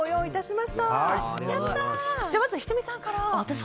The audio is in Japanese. まず、仁美さんから。